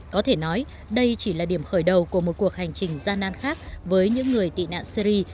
có thể nói đây chỉ là điểm khởi đầu của một cuộc hành trình gian nan khác với những người tị nạn syri